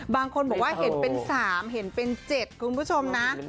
บางคนบอกว่าเห็นเป็น๓เห็นเป็น๗คุณผู้ชมนะ